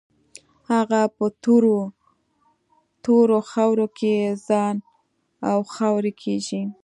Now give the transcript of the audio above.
هغه په تورو خاورو کې ځي او خاورې کېږي.